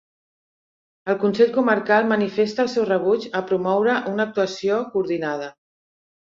El Consell Comarcal manifesta el seu rebuig a promoure una actuació coordinada.